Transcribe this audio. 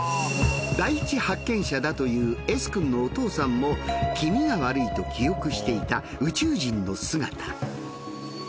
第一発見者だというＳ君のお父さんも気味が悪いと記憶していた宇宙人の姿。